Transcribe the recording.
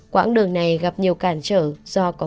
quảng đường này gặp nhiều cản trở